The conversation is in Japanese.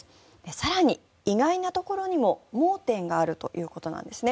更に、意外なところにも盲点があるということです。